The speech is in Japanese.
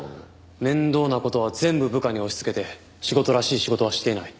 面倒な事は全部部下に押し付けて仕事らしい仕事はしていない。